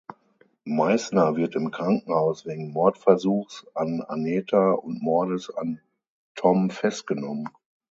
Meisner wird im Krankenhaus wegen Mordversuchs an Aneta und Mordes an Tom festgenommen.